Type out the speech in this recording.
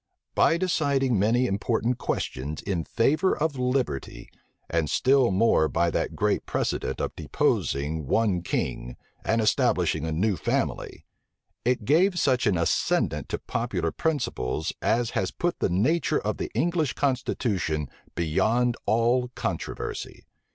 By deciding many important questions in favor of liberty, and still more by that great precedent of deposing one king, and establishing a new family, it gave such an ascendant to popular principles, as has put the nature of the English constitution beyond all controversy.